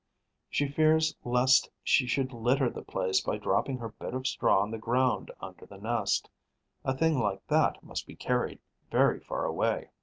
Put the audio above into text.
She fears lest she should litter the place by dropping her bit of straw on the ground, under the nest. A thing like that must be carried very far away.